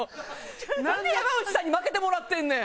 なんで山内さんに負けてもらってんねん。